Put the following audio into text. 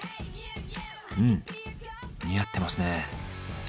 うん似合ってますね。